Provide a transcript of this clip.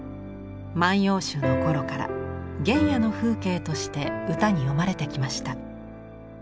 万葉集の頃から原野の風景として歌に詠まれてきました。